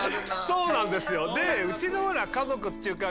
そうなんですよね。